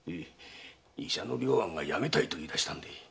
医者の良安が辞めたいと言いだしたんで。